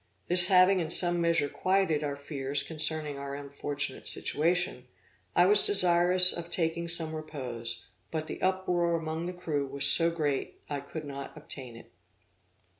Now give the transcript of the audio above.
This having in some measure quieted our fears concerning our unfortunate situation, I was desirous of taking some repose, but the uproar among the crew was so great I could not obtain it.